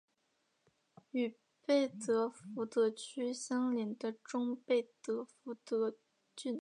与贝德福德区相邻的中贝德福德郡。